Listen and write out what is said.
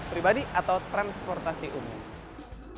pribadi atau transportasi umum